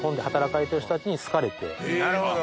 なるほど。